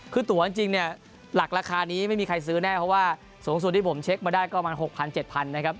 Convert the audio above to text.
คือตัวจริงเนี่ยหลักราคานี้ไม่มีใครซื้อแน่เพราะว่าสูงสุดที่ผมเช็คมาได้ประมาณ๖๐๐๗๐๐นะครับ